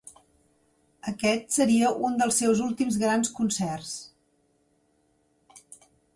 Aquest seria un dels seus últims grans concerts.